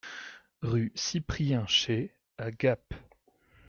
Rue Cyprien Chaix à Gap